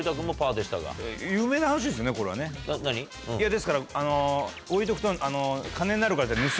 ですから置いとくと金になるからって。